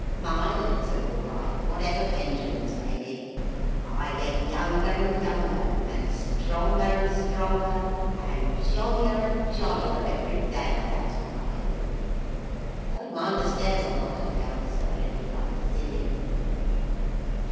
My legs are all right, whatever Benjamin's may be. I get younger and younger, and stronger and stronger, and jollier and jollier, every day—that's what I do! Don't mind the stairs on my account, sir, if you'd like to see him."